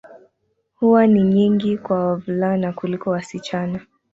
Huwa ni nyingi kwa wavulana kuliko wasichana.